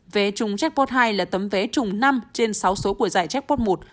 vé chung jackpot hai là tấm vé chung năm trên sáu số của giải jackpot một